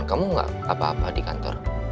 kamu gak apa apa di kantor